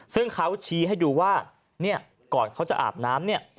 ซึ่งเขาชี้ให้ดูว่าก่อนเขาจะอาบน้ำ